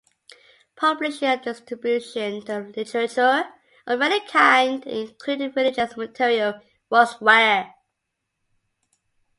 Publishing and distribution of literature of any kind, including religious material, was rare.